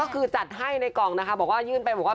ก็คือจัดให้ในกล่องนะคะมาเปิดมา